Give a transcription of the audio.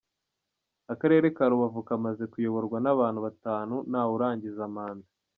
Akarere ka Rubavu kamaze kuyoborwa n’abantu batanu nta wurangiza manda.